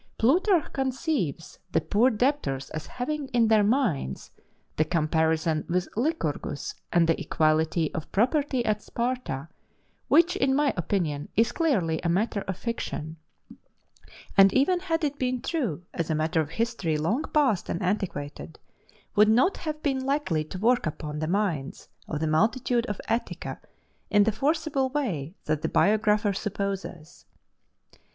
Plutarch conceives the poor debtors as having in their minds the comparison with Lycurgus and the equality of property at Sparta, which, in my opinion, is clearly a matter of fiction; and even had it been true as a matter of history long past and antiquated, would not have been likely to work upon the minds of the multitude of Attica in the forcible way that the biographer supposes.